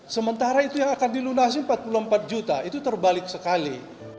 sementara itu yang akan dilunasi empat puluh empat juta itu terbalik sekali